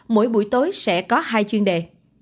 mỗi buổi tối sẽ có hai chuyên đề